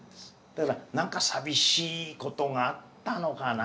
だから何か淋しいことがあったのかな？